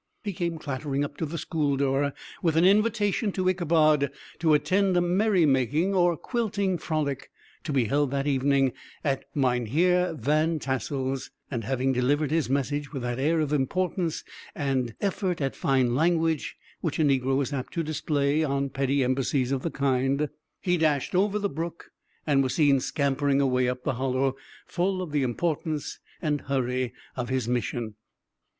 He came clattering up to the school door with an invitation to Ichabod to attend a merry making, or "quilting frolic," to be held that evening at Mynheer Van Tassel's; and having delivered his message with that air of importance, and effort at fine language, which a negro is apt to display on petty embassies of the kind, he dashed over the brook, and was seen scampering away up the hollow, full of the importance and hurry of his mission.